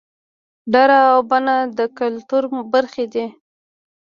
دړه او بنه د کولتور برخې دي